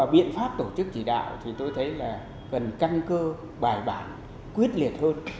biện pháp tổ chức chỉ đạo thì tôi thấy là cần căn cơ bài bản quyết liệt hơn